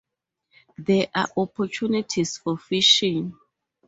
There are opportunities for fishing.